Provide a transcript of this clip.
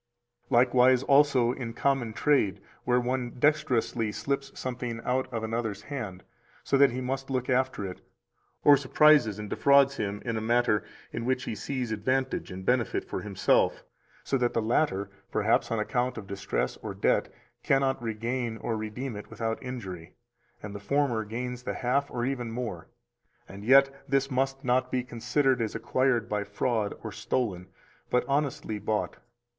303 Likewise also in common trade where one dexterously slips something out of another's hand, so that he must look after it, or surprises and defrauds him in a matter in which he sees advantage and benefit for himself, so that the latter, perhaps on account of distress or debt, cannot regain or redeem it without injury, and the former gains the half or even more; and yet this must not be considered as acquired by fraud or stolen, but honestly bought.